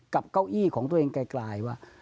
กับเก้าอี้ของตัวเองกลายว่า